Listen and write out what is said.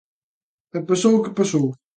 E pasou o que pasou.